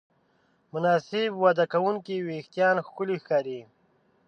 مناسب وده کوونکي وېښتيان ښکلي ښکاري.